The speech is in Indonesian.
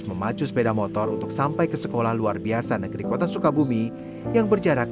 memacu sepeda motor untuk sampai ke sekolah luar biasa negeri kota sukabumi yang berjarak